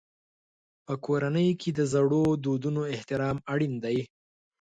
په کورنۍ کې د زړو دودونو احترام اړین دی.